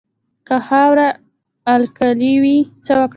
که خاوره القلي وي څه وکړم؟